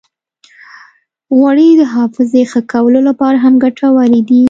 غوړې د حافظې ښه کولو لپاره هم ګټورې دي.